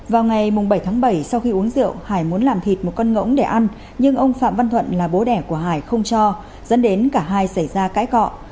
vào ngày bảy tháng bảy sau khi uống rượu hải muốn làm thịt một con ngỗng để ăn nhưng ông phạm văn thuận là bố đẻ của hải không cho dẫn đến cả hai xảy ra cãi cọ